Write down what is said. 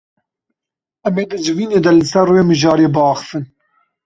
Em ê di civînê de li ser wê mijarê biaxivin.